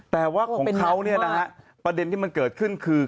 แต่ว่าของเขาเนี่ยนะฮะประเด็นที่มันเกิดขึ้นคือ